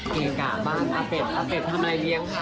เกะกะบ้างเอาเป็นทำอะไรเลี้ยง